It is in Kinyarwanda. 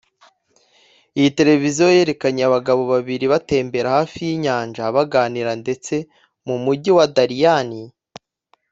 Iyi televiziyo yerekanye abagabo babiri batembera hafi y’inyanja baganira ndetse mu mugi wa Dalian